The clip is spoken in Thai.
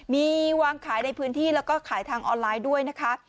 มีวางขายในพื้นที่แล้วก็ขายทางออนไลน์ด้วยนะคะ